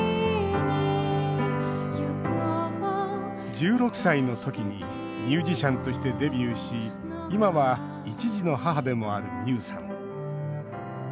１６歳の時にミュージシャンとしてデビューし今は１児の母でもある美雨さん。